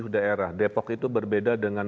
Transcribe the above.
daerah depok itu berbeda dengan